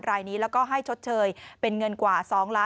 รายหนีและให้ชดเฉยเป็นเงินกว่า